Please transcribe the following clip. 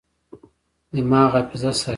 دماغ حافظه ساتي.